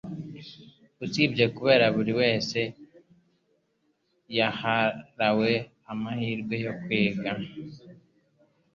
Usibye kuba buri wese yarahawe amahirwe yo kwiga